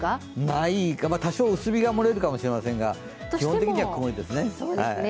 ないか、多少、薄日が漏れるかもしれませんが、基本的には曇りですね。